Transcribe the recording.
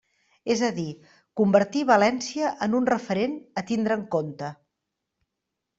És a dir, convertir València en un referent a tindre en compte.